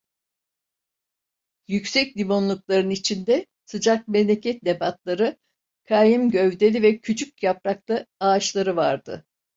Yüksek limonlukların içinde sıcak memleket nebatları, kaim gövdeli ve küçük yapraklı ağaçları vardı.